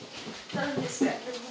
何ですか？